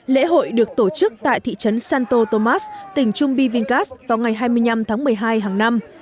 lễ hội được tổ chức tại thị trấn santo tomas tỉnh chumbivincas vào ngày hai mươi năm tháng một mươi hai hàng năm